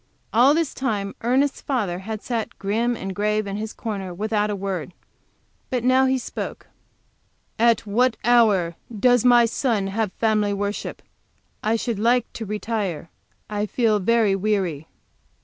All this time Ernest's father had sat grim and grave in his corner, without a word. But now he spoke. "At what hour does my son have family worship? I should like to retire. I feel very weary."